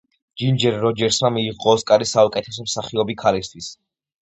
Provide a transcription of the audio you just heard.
ჯინჯერ როჯერსმა მიიღო ოსკარი საუკეთესო მსახიობი ქალისთვის.